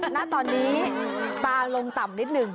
ณตอนนี้ตาลงต่ำนิดนึง